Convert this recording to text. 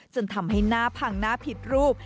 จนทำให้หน้าพังหน้าผิดรูป